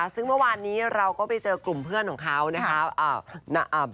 ซึ่งเมื่อวานนี้เราก็ไปเจอกลุ่มเพื่อนของเขานะครับ